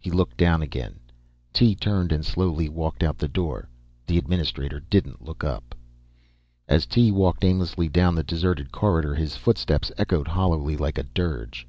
He looked down again. Tee turned and slowly walked out the door. The administrator didn't look up. As Tee walked aimlessly down the deserted corridor, his footsteps echoed hollowly like a dirge.